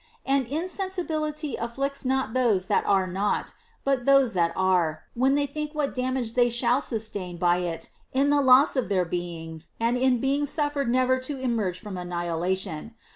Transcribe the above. And insensibility afflicts not those that are not, but those that are, wdien they think what damage they shall sustain by it in the loss of their beings and in being suffered never to emerge from anni hilation.